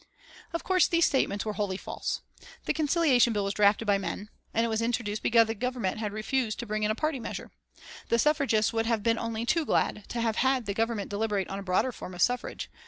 Of course these statements were wholly false. The Conciliation Bill was drafted by men, and it was introduced because the Government had refused to bring in a party measure. The suffragists would have been only too glad to have had the Government deliberate on a broader form of suffrage.